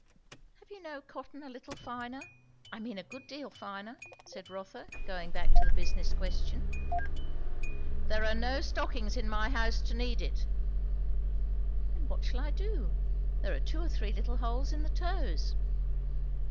"Have you no cotton a little finer? I mean a good deal finer?" said Rotha, going back to the business question. "There are no stockings in my house to need it." "Then what shall I do? There are two or three little holes in the toes."